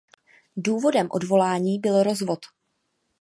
Důvodem odvolání byl rozvod.